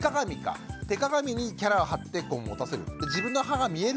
手鏡にキャラを貼って持たせる。